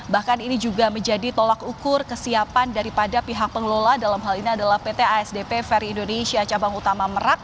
bahkan ini juga menjadi tolak ukur kesiapan daripada pihak pengelola dalam hal ini adalah pt asdp ferry indonesia cabang utama merak